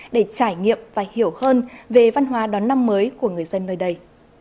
để trải nghiệm và hiểu hơn về văn hóa đón năm mới của người dân nơi đây